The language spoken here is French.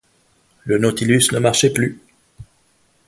Le Nautilus ne marchait plus.